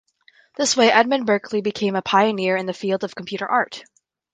This way Edmund Berkeley became a pioneer in the field of computer art.